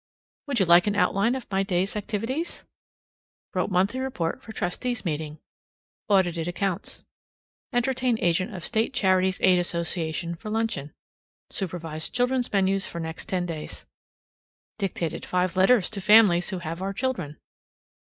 Would you like an outline of my day's activities? Wrote monthly report for trustees' meeting. Audited accounts. Entertained agent of State Charities Aid Association for luncheon. Supervised children's menus for next ten days. Dictated five letters to families who have our children.